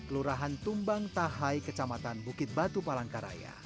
kelurahan tumbang tahai kecamatan bukit batu palangkaraya